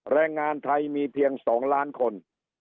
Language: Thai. แรงงานไทยมีเพียง๒ล้านคน